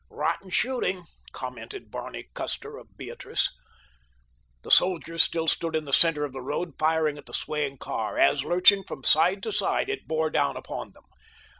"Rotten shooting," commented Barney Custer, of Beatrice. The soldiers still stood in the center of the road firing at the swaying car as, lurching from side to side, it bore down upon them.